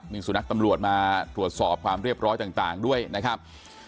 มีสุนัขตำรวจมาตรวจสอบความเรียบร้อยต่างด้วยนะครับ